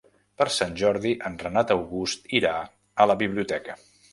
Per Sant Jordi en Renat August irà a la biblioteca.